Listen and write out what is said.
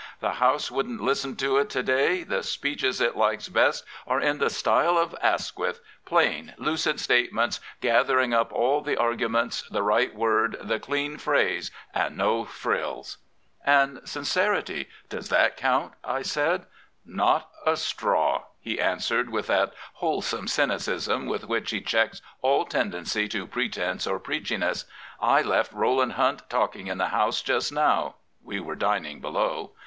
The House wouldn't listen to it to day. The speeches it likes best are in the style of Asquith — plain, lucid statements, gathering up all the argu ments, the right word, the clean phrase and no frills." " And sincerity — does that count ?" I said. " Not a straw," he answered with that wholesome cynicism with which he checks all tendency to pre tence or preachiness. " I left Rowland Hunt talking in the House just now." (We were dining below.)